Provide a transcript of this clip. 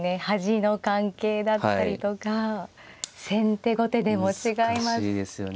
端の関係だったりとか先手後手でも違います。